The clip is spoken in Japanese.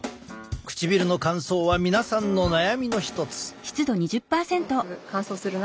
唇の乾燥は皆さんの悩みの一つ。